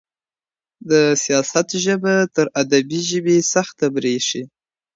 د سياست ژبه تر ادبي ژبي سخته برېښي.